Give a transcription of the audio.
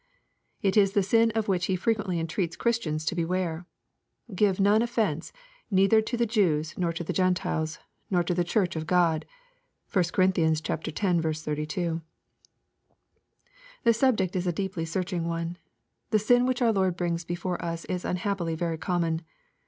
It is the sin of which he frequently entreats Christians to beware :— "Give none offence, neither to the Jews nor to the Gentiles, nor to the Church of God." (1 Cor. x. 32.) The subject is a deeply searching one. The sin which our Lord brings before us is unhappily very common.